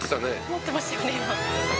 「持ってましたよね今」